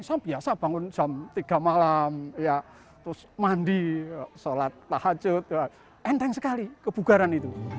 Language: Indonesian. saya biasa bangun jam tiga malam terus mandi sholat tahajud enteng sekali kebugaran itu